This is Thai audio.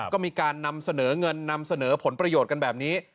ก็มีการนำเสนอเงินนำเสนอผลประโยชน์กันแบบนี้